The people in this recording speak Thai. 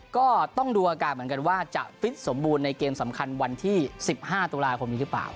ก็ต้องดูอาการเหมือนกันว่าจะฟิตสมบูรณ์ในเกมสำคัญวันที่๑๕ตุลาคมนี้หรือเปล่า